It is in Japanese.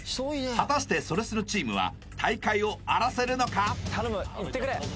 果たしてそれスノチームは大会を荒らせるのか？